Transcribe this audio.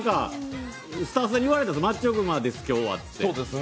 スタッフさんに言われたんです、マッチョ熊です、今日はって。